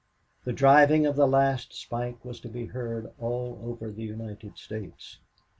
The driving of the last spike was to be heard all over the United States.